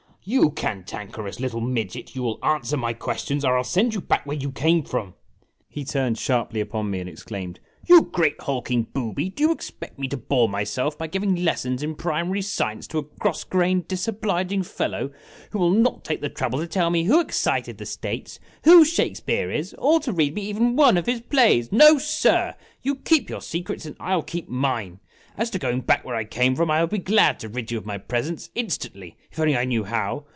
"You cantankerous little midget, you will answer my questions or I '11 send you back where you came from !" A LOST OPPORTUNITY 83 He turned sharply upon me, and exclaimed : "You great hulking booby, do you expect me to bore myself by giving lessons in primary science to a cross grained, disobliging fellow who will not take the trouble to tell me who excited the states, \vho Shakespeare is, or to read me even one of his plays ? No, sir ! YOU KEEP YOUR SECRETS AND I ? LL KEEP MINE. As to going back where I came from, I would be glad to rid you of my presence in stantly if only I knew how."